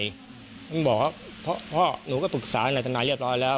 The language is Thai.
ด้วยบอกพ่อหนูก็ปรึกษาแนวบรรทีนายเรียบร้อยแล้ว